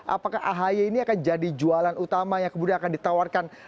apakah ahy ini akan jadi jualan utama yang kemudian akan ditawarkan